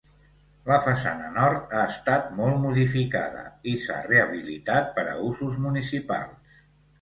La façana nord ha estat molt modificada i s'ha rehabilitat per a usos municipals.